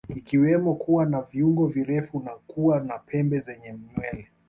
Ikiwemo kuwa na viungo virefu na kuwa na pembe zenye nywele